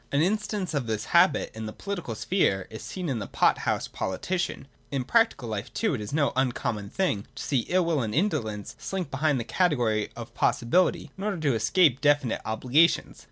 An instance of this habit in the political sphere is seen in the pot house politician. In prac tical life too it is no uncommon thing to see ill will and indolence slink behind the category of possibility, in order to escape definite obligations.